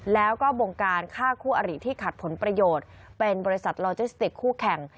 แล้วก็บงการฆ่าคู่อริที่ขัดผลประโยชน์เป็นบริษัทโลจิสติกคู่แข่ง